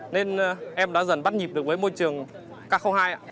nên em đã dần bắt nhịp được với môi trường k hai ạ